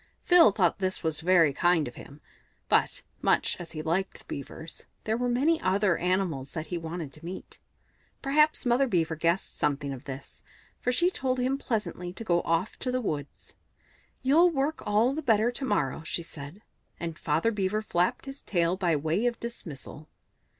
Phil thought this very kind of him; but, much as he liked the Beavers, there were many other animals that he wanted to meet. Perhaps Mother Beaver guessed something of this, for she told him pleasantly to go off to the woods. "You'll work all the better to morrow," she said; and Father Beaver flapped his tail by way of dismissal.